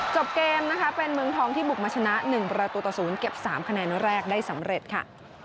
จบเกมนะคะเป็นเมืองทองที่บุกมาชนะ๑ประตูต่อ๐เก็บ๓คะแนนแรกได้สำเร็จค่ะ